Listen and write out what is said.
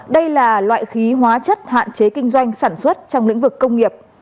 đây là loại khí hóa chất hạn chế kinh doanh sản xuất trong lĩnh vực công nghiệp